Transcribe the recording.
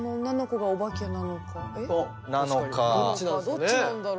どっちなんだろう？